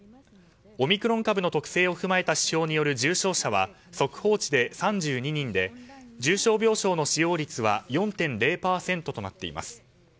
オミクロン株の特性を踏まえた指標による重症者は速報値で３２人で重症病床の使用率は４．０％となっています。